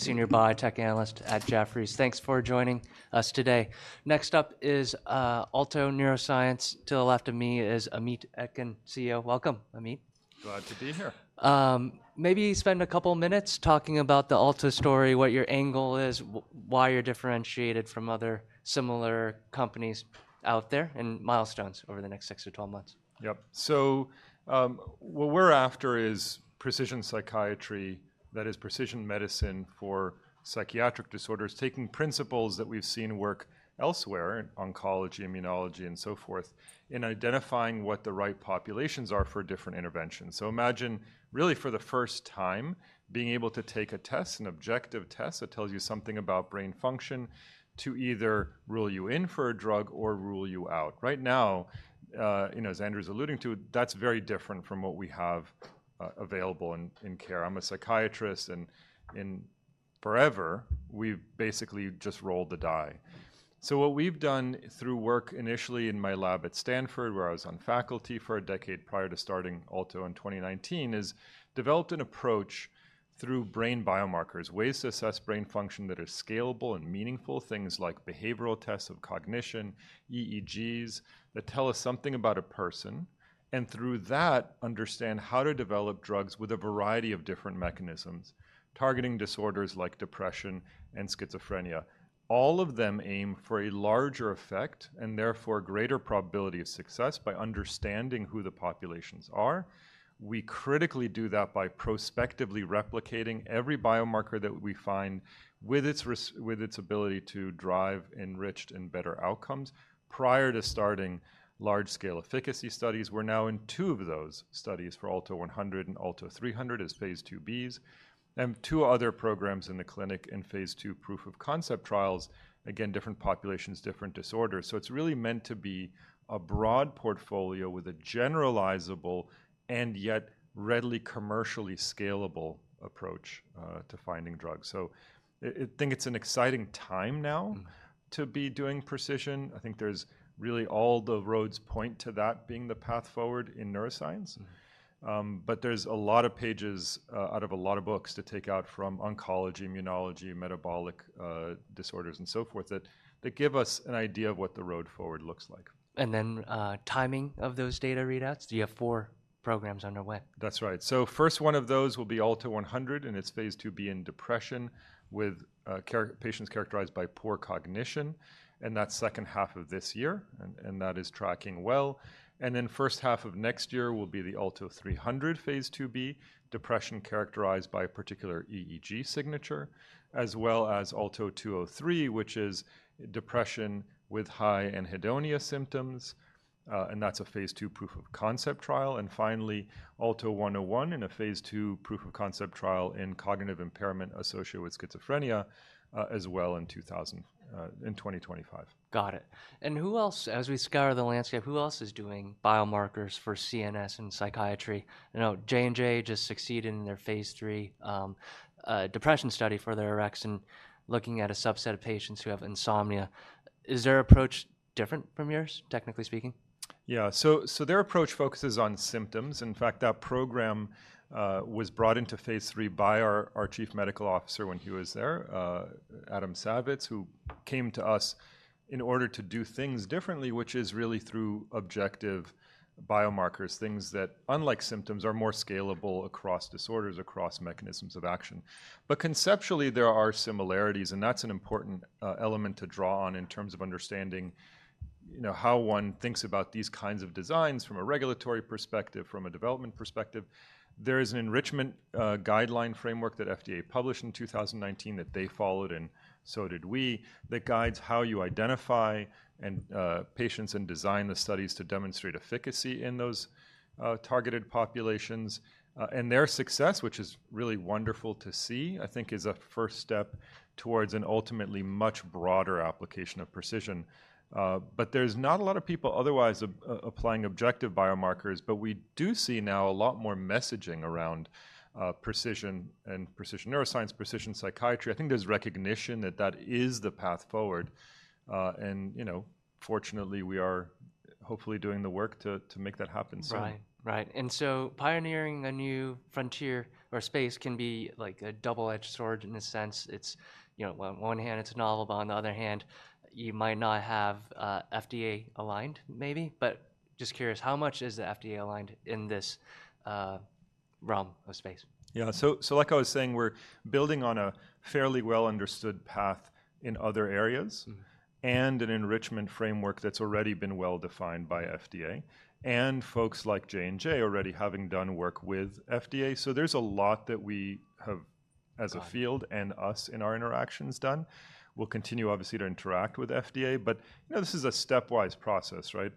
Senior biotech analyst at Jefferies. Thanks for joining us today. Next up is Alto Neuroscience. To the left of me is Amit Etkin, CEO. Welcome, Amit. Glad to be here. Maybe spend a couple of minutes talking about the Alto story, what your angle is, why you're differentiated from other similar companies out there, and milestones over the next 6-12 months. Yep. So what we're after is precision psychiatry, that is, precision medicine for psychiatric disorders, taking principles that we've seen work elsewhere in oncology, immunology, and so forth, in identifying what the right populations are for different interventions. So imagine, really, for the first time, being able to take a test, an objective test that tells you something about brain function, to either rule you in for a drug or rule you out. Right now, as Andrew's alluding to, that's very different from what we have available in care. I'm a psychiatrist, and forever, we've basically just rolled the die. So what we've done through work initially in my lab at Stanford, where I was on faculty for a decade prior to starting Alto in 2019, is developed an approach through brain biomarkers, ways to assess brain function that are scalable and meaningful, things like behavioral tests of cognition, EEGs, that tell us something about a person, and through that, understand how to develop drugs with a variety of different mechanisms targeting disorders like depression and schizophrenia. All of them aim for a larger effect and therefore greater probability of success by understanding who the populations are. We critically do that by prospectively replicating every biomarker that we find with its ability to drive enriched and better outcomes prior to starting large-scale efficacy studies. We're now in two of those studies for ALTO-100 and ALTO-300 as phase IIb's, and two other programs in the clinic in phase II proof-of-concept trials, again, different populations, different disorders. So it's really meant to be a broad portfolio with a generalizable and yet readily commercially scalable approach to finding drugs. So I think it's an exciting time now to be doing precision. I think there's really all the roads point to that being the path forward in neuroscience. But there's a lot of pages out of a lot of books to take out from oncology, immunology, metabolic disorders, and so forth that give us an idea of what the road forward looks like. And then timing of those data readouts? You have four programs underway. That's right. So first one of those will be ALTO-100, and it's phase IIb in depression with patients characterized by poor cognition. That's second half of this year, and that is tracking well. Then first half of next year will be the ALTO-300, phase IIb, depression characterized by a particular EEG signature, as well as ALTO-203, which is depression with high anhedonic symptoms. That's a phase II proof of concept trial. Finally, ALTO-101 in a phase II proof of concept trial in cognitive impairment associated with schizophrenia as well in 2025. Got it. And who else, as we scour the landscape, who else is doing biomarkers for CNS and psychiatry? I know J&J just succeeded in their phase III depression study for their seltorexant, looking at a subset of patients who have insomnia. Is their approach different from yours, technically speaking? Yeah. So their approach focuses on symptoms. In fact, that program was brought into phase III by our Chief Medical Officer when he was there, Adam Savitz, who came to us in order to do things differently, which is really through objective biomarkers, things that, unlike symptoms, are more scalable across disorders, across mechanisms of action. But conceptually, there are similarities, and that's an important element to draw on in terms of understanding how one thinks about these kinds of designs from a regulatory perspective, from a development perspective. There is an enrichment guideline framework that FDA published in 2019 that they followed, and so did we, that guides how you identify patients and design the studies to demonstrate efficacy in those targeted populations. And their success, which is really wonderful to see, I think, is a first step towards an ultimately much broader application of precision. There's not a lot of people otherwise applying objective biomarkers, but we do see now a lot more messaging around precision and precision neuroscience, precision psychiatry. I think there's recognition that that is the path forward. Fortunately, we are hopefully doing the work to make that happen. Right. Right. And so pioneering a new frontier or space can be like a double-edged sword in a sense. On one hand, it's a novel, but on the other hand, you might not have FDA aligned, maybe. But just curious, how much is the FDA aligned in this realm of space? Yeah. So like I was saying, we're building on a fairly well-understood path in other areas and an enrichment framework that's already been well-defined by FDA and folks like J&J already having done work with FDA. So there's a lot that we have, as a field and us in our interactions, done. We'll continue, obviously, to interact with FDA. But this is a stepwise process, right?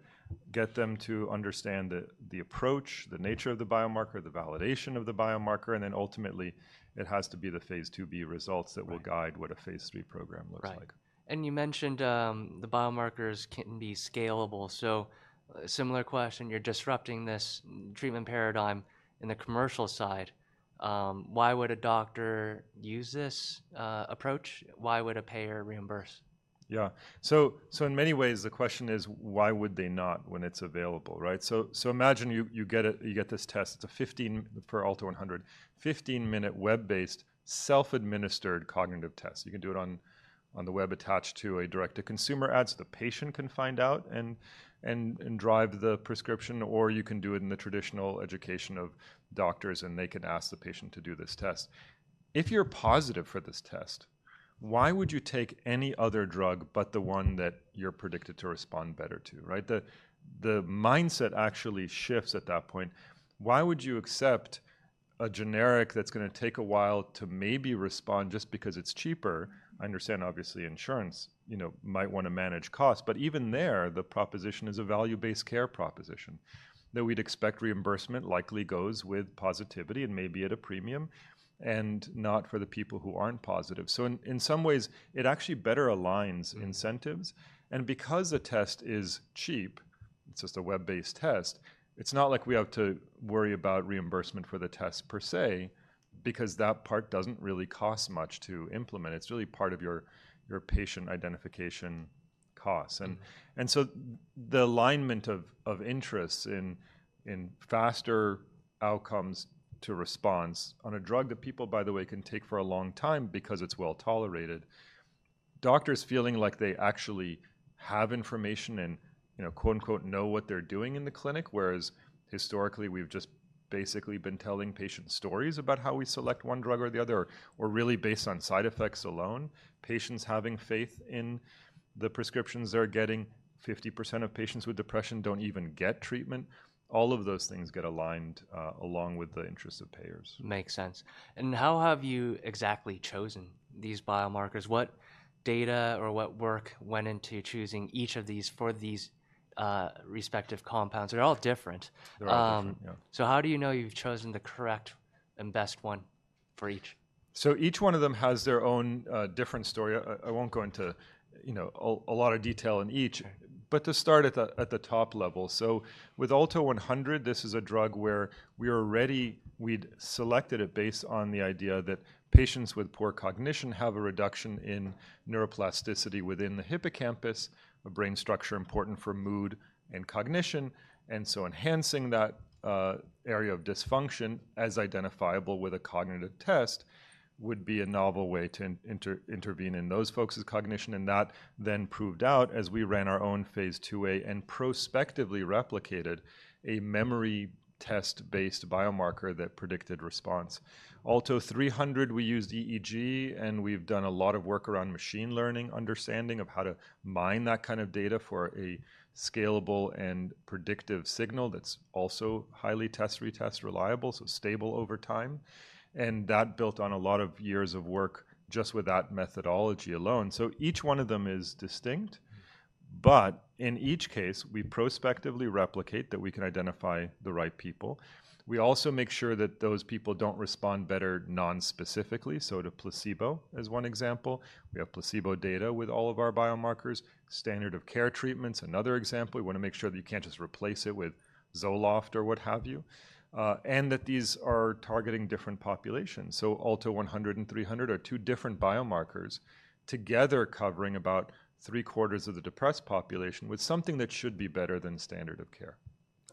Get them to understand the approach, the nature of the biomarker, the validation of the biomarker, and then ultimately, it has to be the phase IIb results that will guide what a phase III program looks like. Right. You mentioned the biomarkers can be scalable. So similar question, you're disrupting this treatment paradigm in the commercial side. Why would a doctor use this approach? Why would a payer reimburse? Yeah. So in many ways, the question is, why would they not when it's available, right? So imagine you get this test. It's a 15-minute, for ALTO-100, 15-minute web-based self-administered cognitive test. You can do it on the web attached to a direct-to-consumer ad so the patient can find out and drive the prescription, or you can do it in the traditional education of doctors, and they can ask the patient to do this test. If you're positive for this test, why would you take any other drug but the one that you're predicted to respond better to, right? The mindset actually shifts at that point. Why would you accept a generic that's going to take a while to maybe respond just because it's cheaper? I understand, obviously, insurance might want to manage costs. But even there, the proposition is a value-based care proposition that we'd expect reimbursement likely goes with positivity and maybe at a premium and not for the people who aren't positive. So in some ways, it actually better aligns incentives. And because the test is cheap, it's just a web-based test, it's not like we have to worry about reimbursement for the test per se because that part doesn't really cost much to implement. It's really part of your patient identification costs. And so the alignment of interests in faster outcomes to response on a drug that people, by the way, can take for a long time because it's well tolerated, doctors feeling like they actually have information and "know what they're doing" in the clinic, whereas historically, we've just basically been telling patients stories about how we select one drug or the other or really based on side effects alone, patients having faith in the prescriptions they're getting. 50% of patients with depression don't even get treatment. All of those things get aligned along with the interests of payers. Makes sense. How have you exactly chosen these biomarkers? What data or what work went into choosing each of these for these respective compounds? They're all different. They're all different. Yeah. How do you know you've chosen the correct and best one for each? So each one of them has their own different story. I won't go into a lot of detail in each. But to start at the top level, so with ALTO-100, this is a drug where we'd already selected it based on the idea that patients with poor cognition have a reduction in neuroplasticity within the hippocampus, a brain structure important for mood and cognition. And so enhancing that area of dysfunction as identifiable with a cognitive test would be a novel way to intervene in those folks' cognition. And that then proved out as we ran our own phase IIa and prospectively replicated a memory test-based biomarker that predicted response. ALTO-300, we used EEG, and we've done a lot of work around machine learning understanding of how to mine that kind of data for a scalable and predictive signal that's also highly test-retest reliable, so stable over time. And that built on a lot of years of work just with that methodology alone. So each one of them is distinct. But in each case, we prospectively replicate that we can identify the right people. We also make sure that those people don't respond better nonspecifically. So to placebo is one example. We have placebo data with all of our biomarkers. Standard of care treatments, another example. We want to make sure that you can't just replace it with Zoloft or what have you and that these are targeting different populations. ALTO-100 and ALTO-300 are two different biomarkers together covering about three-quarters of the depressed population with something that should be better than standard of care.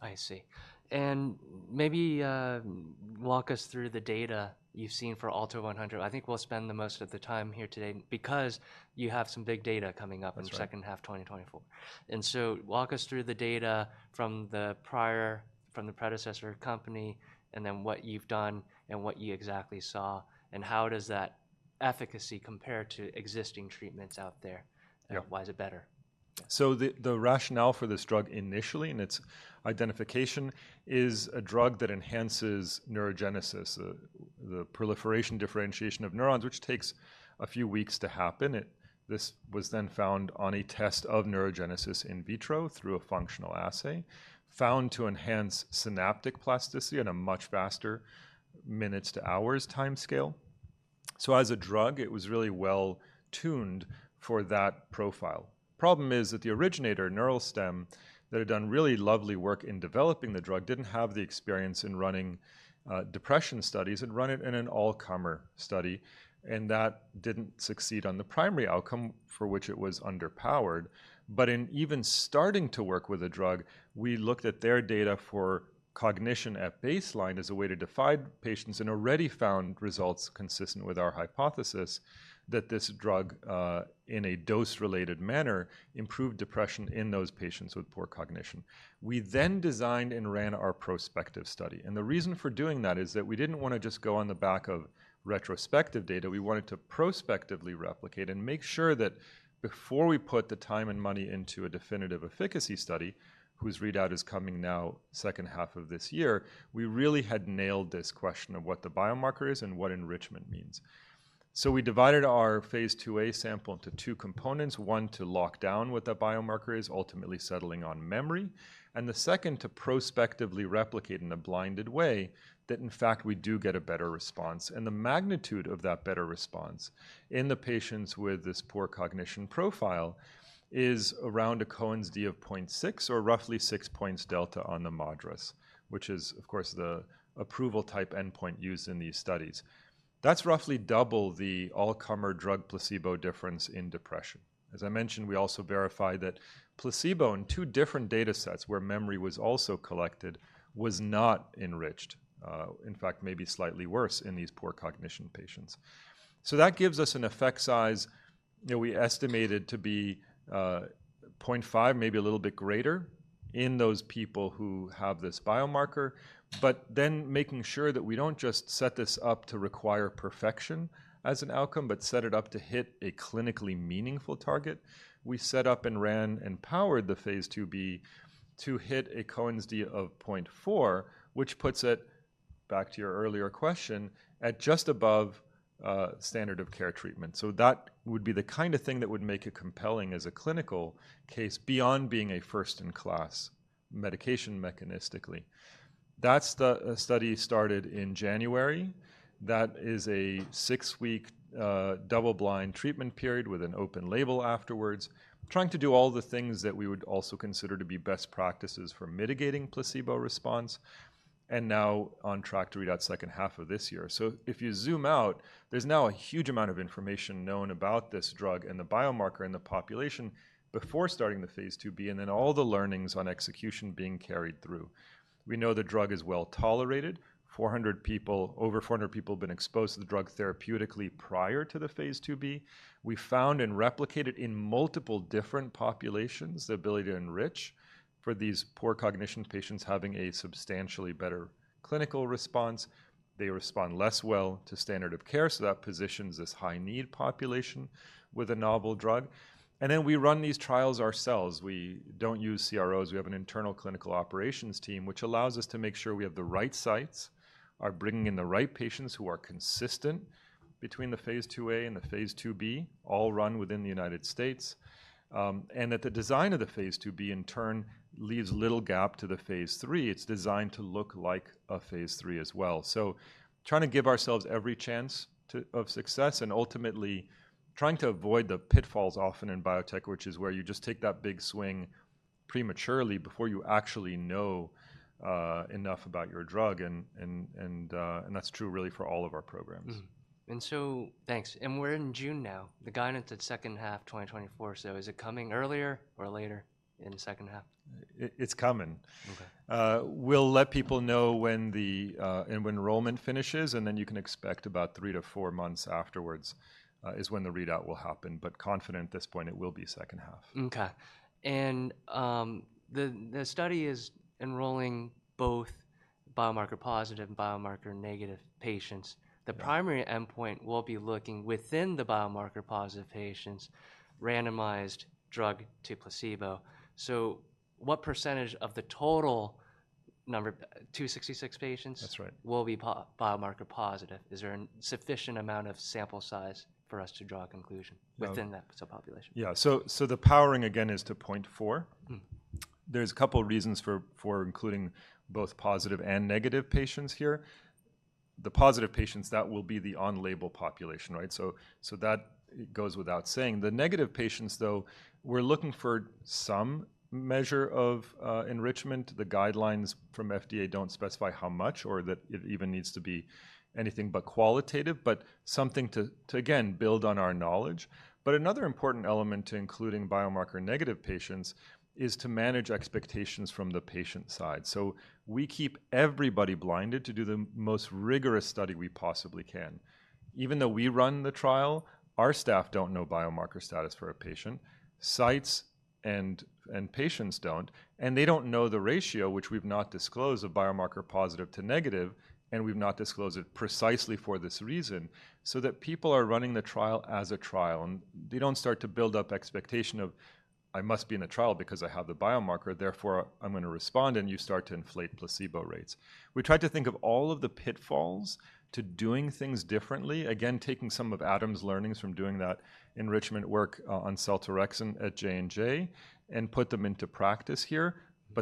I see. And maybe walk us through the data you've seen for ALTO-100. I think we'll spend most of the time here today because you have some big data coming up in the second half of 2024. And so walk us through the data from the prior, from the predecessor company, and then what you've done and what you exactly saw, and how does that efficacy compare to existing treatments out there? Why is it better? So the rationale for this drug initially and its identification is a drug that enhances neurogenesis, the proliferation differentiation of neurons, which takes a few weeks to happen. This was then found on a test of neurogenesis in vitro through a functional assay found to enhance synaptic plasticity in a much faster minutes to hours timescale. So as a drug, it was really well tuned for that profile. Problem is that the originator, Neuralstem, that had done really lovely work in developing the drug didn't have the experience in running depression studies and run it in an all-comer study. And that didn't succeed on the primary outcome for which it was underpowered. But even in starting to work with a drug, we looked at their data for cognition at baseline as a way to define patients and already found results consistent with our hypothesis that this drug, in a dose-related manner, improved depression in those patients with poor cognition. We then designed and ran our prospective study. The reason for doing that is that we didn't want to just go on the back of retrospective data. We wanted to prospectively replicate and make sure that before we put the time and money into a definitive efficacy study, whose readout is coming now second half of this year, we really had nailed this question of what the biomarker is and what enrichment means. So we divided our phase IIa sample into two components, one to lock down what that biomarker is, ultimately settling on memory, and the second to prospectively replicate in a blinded way that, in fact, we do get a better response. And the magnitude of that better response in the patients with this poor cognition profile is around a Cohen's d of 0.6 or roughly 6 points delta on the MADRS, which is, of course, the approval type endpoint used in these studies. That's roughly double the all-comer drug placebo difference in depression. As I mentioned, we also verified that placebo in two different data sets where memory was also collected was not enriched, in fact, maybe slightly worse in these poor cognition patients. So that gives us an effect size we estimated to be 0.5, maybe a little bit greater in those people who have this biomarker. But then making sure that we don't just set this up to require perfection as an outcome, but set it up to hit a clinically meaningful target, we set up and ran and powered the phase IIb to hit a Cohen's d of 0.4, which puts it, back to your earlier question, at just above standard of care treatment. So that would be the kind of thing that would make it compelling as a clinical case beyond being a first-in-class medication mechanistically. That's the study started in January. That is a 6-week double-blind treatment period with an open label afterwards, trying to do all the things that we would also consider to be best practices for mitigating placebo response and now on track to read out second half of this year. So if you zoom out, there's now a huge amount of information known about this drug and the biomarker in the population before starting the phase IIb and then all the learnings on execution being carried through. We know the drug is well tolerated. Over 400 people have been exposed to the drug therapeutically prior to the phase IIb. We found and replicated in multiple different populations the ability to enrich for these poor cognition patients having a substantially better clinical response. They respond less well to standard of care. So that positions this high-need population with a novel drug. And then we run these trials ourselves. We don't use CROs. We have an internal clinical operations team, which allows us to make sure we have the right sites, are bringing in the right patients who are consistent between the phase IIa and the phase IIb, all run within the United States, and that the design of the phase IIb, in turn, leaves little gap to the phase III. It's designed to look like a phase III as well. So trying to give ourselves every chance of success and ultimately trying to avoid the pitfalls often in biotech, which is where you just take that big swing prematurely before you actually know enough about your drug. That's true really for all of our programs. Thanks. We're in June now, the guidance at second half 2024. So is it coming earlier or later in the second half? It's coming. We'll let people know when the enrollment finishes, and then you can expect about 3-4 months afterwards is when the readout will happen. But confident at this point, it will be second half. Okay. The study is enrolling both biomarker-positive and biomarker-negative patients. The primary endpoint will be looking within the biomarker-positive patients, randomized drug to placebo. So what percentage of the total number, 266 patients. That's right. Will be biomarker-positive? Is there a sufficient amount of sample size for us to draw a conclusion within that subpopulation? Yeah. So the powering, again, is to 0.4. There's a couple of reasons for including both positive and negative patients here. The positive patients, that will be the on-label population, right? So that goes without saying. The negative patients, though, we're looking for some measure of enrichment. The guidelines from FDA don't specify how much or that it even needs to be anything but qualitative, but something to, again, build on our knowledge. But another important element to including biomarker-negative patients is to manage expectations from the patient side. So we keep everybody blinded to do the most rigorous study we possibly can. Even though we run the trial, our staff don't know biomarker status for a patient. Sites and patients don't. And they don't know the ratio, which we've not disclosed, of biomarker positive to negative. We've not disclosed it precisely for this reason so that people are running the trial as a trial. They don't start to build up expectation of, "I must be in a trial because I have the biomarker. Therefore, I'm going to respond," and you start to inflate placebo rates. We tried to think of all of the pitfalls to doing things differently, again, taking some of Adam's learnings from doing that enrichment work on seltorexant at J&J and put them into practice here.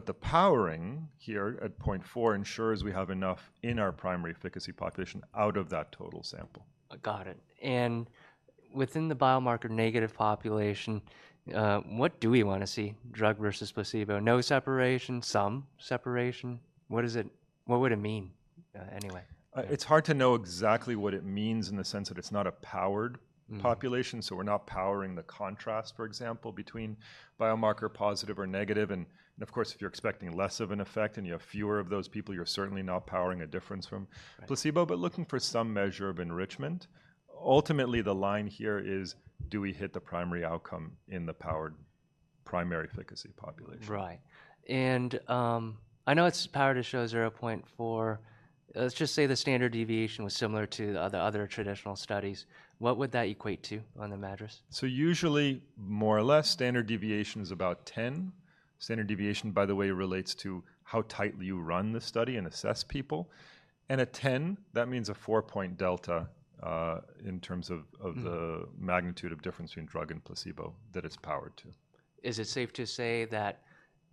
The powering here at 0.4 ensures we have enough in our primary efficacy population out of that total sample. Got it. Within the biomarker-negative population, what do we want to see? Drug versus placebo? No separation, some separation? What would it mean anyway? It's hard to know exactly what it means in the sense that it's not a powered population. So we're not powering the contrast, for example, between biomarker positive or negative. And of course, if you're expecting less of an effect and you have fewer of those people, you're certainly not powering a difference from placebo, but looking for some measure of enrichment. Ultimately, the line here is, do we hit the primary outcome in the powered primary efficacy population? Right. And I know it's powered to show 0.4. Let's just say the standard deviation was similar to the other traditional studies. What would that equate to on the MADRS? Usually, more or less, standard deviation is about 10. Standard deviation, by the way, relates to how tightly you run the study and assess people. A 10, that means a 4-point delta in terms of the magnitude of difference between drug and placebo that it's powered to. Is it safe to say that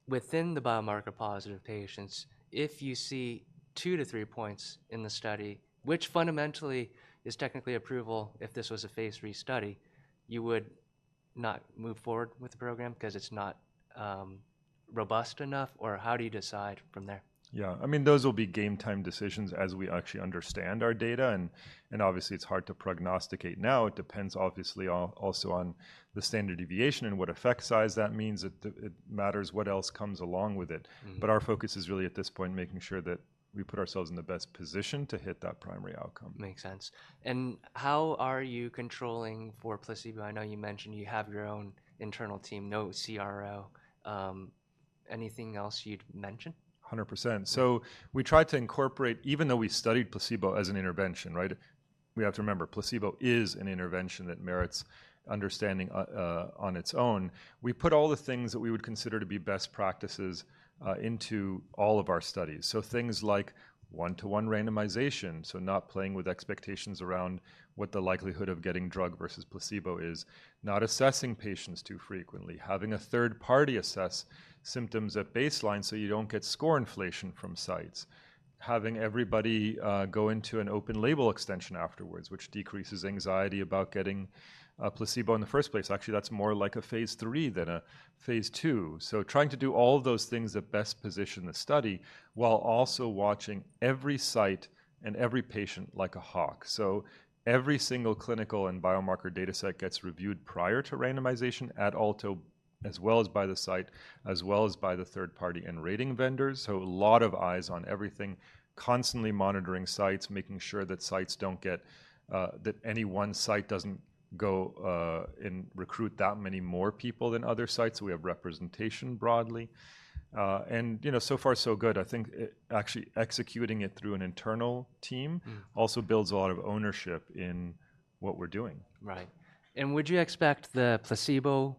within the biomarker-positive patients, if you see 2-3 points in the study, which fundamentally is technically approval if this was a phase III study, you would not move forward with the program because it's not robust enough? Or how do you decide from there? Yeah. I mean, those will be game-time decisions as we actually understand our data. Obviously, it's hard to prognosticate now. It depends obviously also on the standard deviation and what effect size that means. It matters what else comes along with it. Our focus is really at this point making sure that we put ourselves in the best position to hit that primary outcome. Makes sense. How are you controlling for placebo? I know you mentioned you have your own internal team, no CRO. Anything else you'd mention? 100%. So we tried to incorporate, even though we studied placebo as an intervention, right? We have to remember placebo is an intervention that merits understanding on its own. We put all the things that we would consider to be best practices into all of our studies. So things like 1:1 randomization, so not playing with expectations around what the likelihood of getting drug versus placebo is, not assessing patients too frequently, having a third party assess symptoms at baseline so you don't get score inflation from sites, having everybody go into an open label extension afterwards, which decreases anxiety about getting placebo in the first place. Actually, that's more like a phase III than a phase II. So trying to do all of those things that best position the study while also watching every site and every patient like a hawk. So every single clinical and biomarker dataset gets reviewed prior to randomization at Alto, as well as by the site, as well as by the third party and rating vendors. So a lot of eyes on everything, constantly monitoring sites, making sure that sites don't get that any one site doesn't go and recruit that many more people than other sites. So we have representation broadly. And so far, so good. I think actually executing it through an internal team also builds a lot of ownership in what we're doing. Right. Would you expect the placebo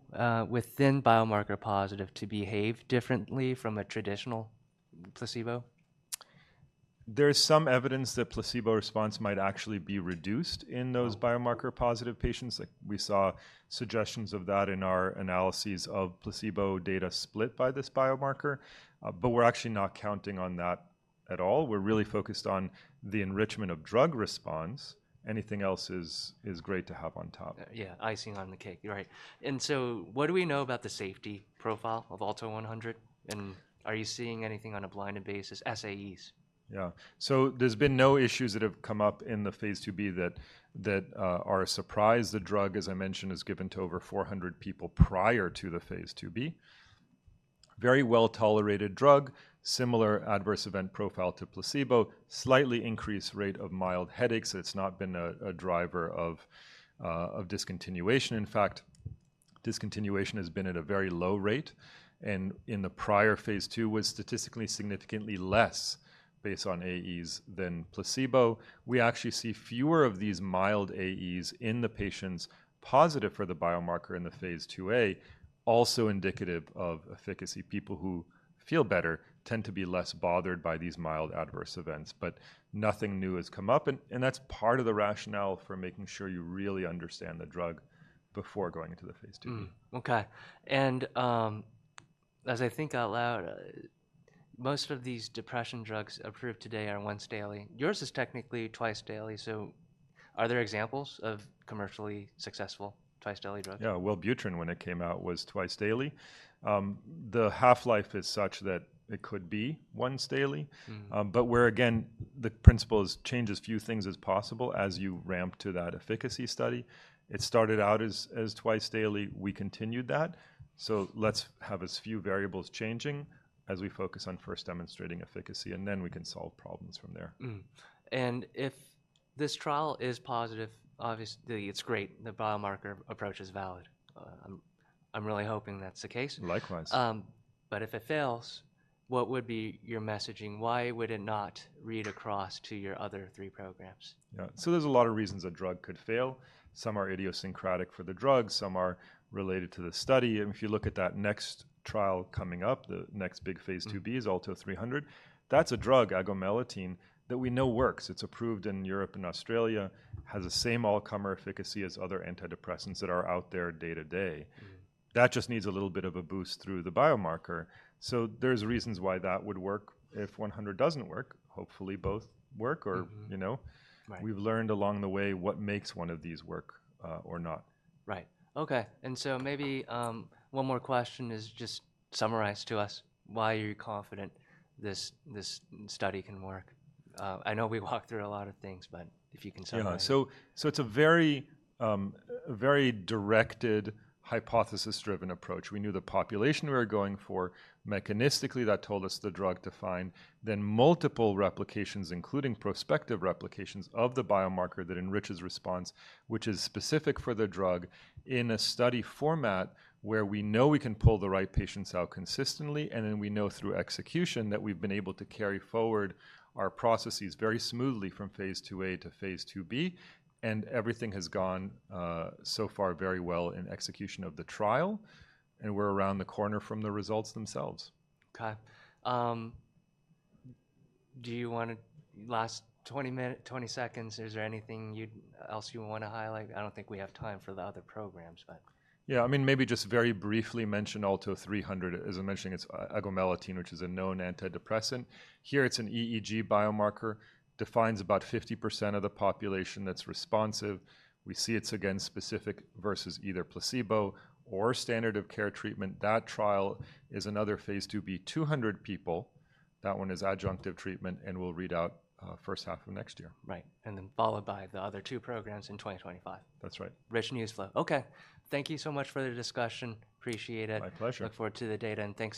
within biomarker-positive to behave differently from a traditional placebo? There's some evidence that placebo response might actually be reduced in those biomarker-positive patients. We saw suggestions of that in our analyses of placebo data split by this biomarker. But we're actually not counting on that at all. We're really focused on the enrichment of drug response. Anything else is great to have on top. Yeah, icing on the cake, right? What do we know about the safety profile of ALTO-100? Are you seeing anything on a blinded basis, SAEs? Yeah. So there's been no issues that have come up in the phase IIb that are a surprise. The drug, as I mentioned, is given to over 400 people prior to the phase IIb. Very well-tolerated drug, similar adverse event profile to placebo, slightly increased rate of mild headaches. It's not been a driver of discontinuation. In fact, discontinuation has been at a very low rate. And in the prior phase II, it was statistically significantly less based on AEs than placebo. We actually see fewer of these mild AEs in the patients positive for the biomarker in the phase IIa, also indicative of efficacy. People who feel better tend to be less bothered by these mild adverse events. But nothing new has come up. And that's part of the rationale for making sure you really understand the drug before going into the phase IIb. Okay. And as I think out loud, most of these depression drugs approved today are once daily. Yours is technically twice daily. So are there examples of commercially successful twice daily drugs? Yeah. Well, Wellbutrin when it came out was twice daily. The half-life is such that it could be once daily. But where, again, the principle is change as few things as possible as you ramp to that efficacy study. It started out as twice daily. We continued that. So let's have as few variables changing as we focus on first demonstrating efficacy. And then we can solve problems from there. If this trial is positive, obviously, it's great. The biomarker approach is valid. I'm really hoping that's the case. Likewise. If it fails, what would be your messaging? Why would it not read across to your other three programs? Yeah. So there's a lot of reasons a drug could fail. Some are idiosyncratic for the drug. Some are related to the study. And if you look at that next trial coming up, the next big phase IIb is ALTO-300. That's a drug, agomelatine, that we know works. It's approved in Europe and Australia, has the same all-comer efficacy as other antidepressants that are out there day to day. That just needs a little bit of a boost through the biomarker. So there's reasons why that would work if ALTO-100 doesn't work. Hopefully, both work or we've learned along the way what makes one of these work or not. Right. Okay. And so maybe one more question is just summarize to us why you're confident this study can work. I know we walked through a lot of things, but if you can summarize. Yeah. So it's a very directed, hypothesis-driven approach. We knew the population we were going for. Mechanistically, that told us the drug to find. Then multiple replications, including prospective replications of the biomarker that enriches response, which is specific for the drug in a study format where we know we can pull the right patients out consistently. And then we know through execution that we've been able to carry forward our processes very smoothly from phase IIa to phase IIb. And everything has gone so far very well in execution of the trial. And we're around the corner from the results themselves. Okay. Do you want to last 20 seconds? Is there anything else you want to highlight? I don't think we have time for the other programs, but. Yeah. I mean, maybe just very briefly mention ALTO-300. As I mentioned, it's agomelatine, which is a known antidepressant. Here, it's an EEG biomarker. Defines about 50% of the population that's responsive. We see it's against specific versus either placebo or standard of care treatment. That trial is another phase IIb, 200 people. That one is adjunctive treatment and will read out first half of next year. Right. And then followed by the other two programs in 2025. That's right. Rich news flow. Okay. Thank you so much for the discussion. Appreciate it. My pleasure. Look forward to the data and.